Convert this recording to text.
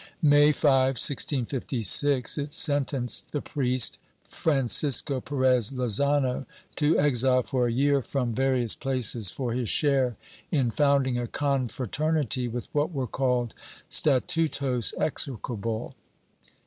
May 5, 1656, it sentenced the priest, Francisco Perez Lozano, to exile for a year from various places for his share in founding a confraternity with what were called "statutos execrables."